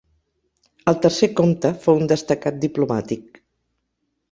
El tercer comte fou un destacat diplomàtic.